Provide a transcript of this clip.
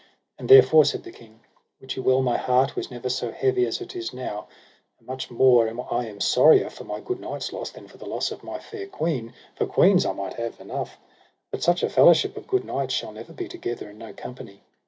And therefore, said the king, wit you well my heart was never so heavy as it is now, and much more I am sorrier for my good knights' loss than for the loss of my fair queen; for queens I might have enow, but such a fellowship of good knights shall never be together in no company.